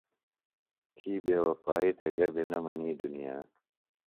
تھی بے وفائی تھےۡ گہ بیۡ نہ منی دُنیا۔